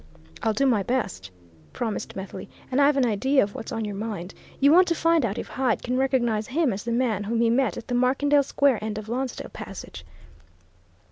"I'll do my best," promised Methley. "And I've an idea of what's on your mind. You want to find out if Hyde can recognize him as the man whom he met at the Markendale Square end of Lonsdale Passage?"